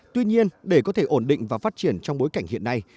tuy nhiên để có thể ổn định và phát triển trong bối cảnh hiện nay